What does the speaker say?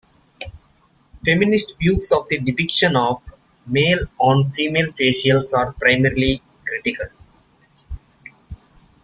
Feminist views of the depiction of male-on-female facials are primarily critical.